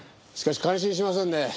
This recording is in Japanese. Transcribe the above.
しかし感心しませんね。